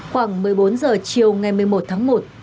khoảng một mươi bốn h chiều ngày một mươi một tháng một